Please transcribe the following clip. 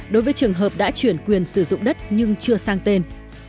đối với trường hợp đã chuyển quyền sử dụng đất nhưng chưa sang tên